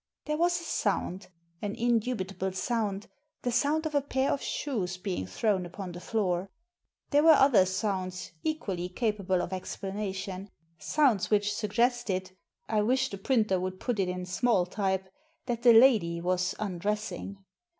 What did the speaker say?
There was a sound, an indubitable sound — the sound of a pair of shoes being thrown upon the floor. There were other sounds, equally capable of explanation: sounds which suggested — I wish the printer would put it in small type — ^that the lady was undressing.